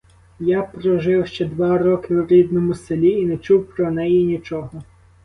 Я прожив ще два роки в рідному селі і не чув про неї нічого.